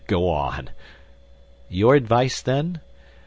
Go on!" "Your advice, then?"